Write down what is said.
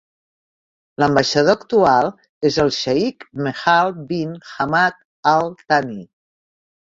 L'ambaixador actual és el Sheikh Meshal bin Hamad Al Thani.